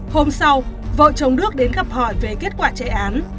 hôm sau vợ chồng đức đến gặp hỏi về kết quả chạy án